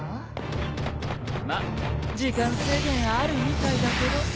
まっ時間制限あるみたいだけど。